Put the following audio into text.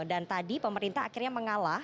dan tadi pemerintah akhirnya mengalah